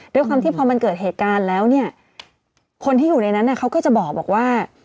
ด้วยความที่พอมันเกิดเหตุการณ์แล้วเนี่ยคนที่อยู่ในนั้นเขาก็จะบอกว่า